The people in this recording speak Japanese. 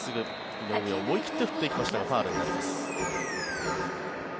井上、思い切って振っていきましたがファウルになります。